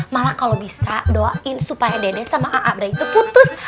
malah kalau bisa doain supaya dede sama abrahi itu putus